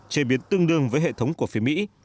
chế biến tương đương với hệ thống của phía mỹ